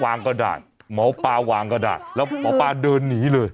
วางก่อด่าดมป้าวางก่อด่าดแล้วมป้าเดินหนีเลย